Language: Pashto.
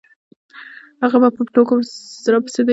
هغې به په ټوکو راپسې د هیلو نجلۍ جمله تکراروله